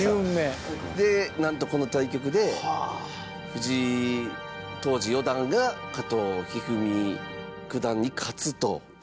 高橋：なんと、この対局で藤井、当時、四段が加藤一二三九段に勝つと。